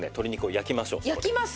焼きます！？